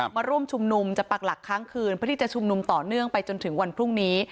มาร่วมชุมนุมจะปักหลักค้างคืนเพื่อที่จะชุมนุมต่อเนื่องไปจนถึงวันพรุ่งนี้